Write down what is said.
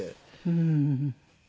うん。